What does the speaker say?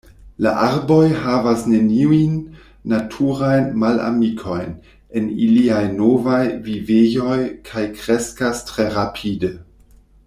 La arboj havas neniujn naturajn malamikojn en iliaj novaj vivejoj kaj kreskas tre rapide.